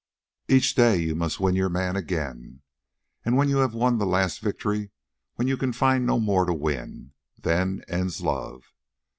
Each day you must win your man again. And when you have won the last victory, when you can find no more to win, then ends love.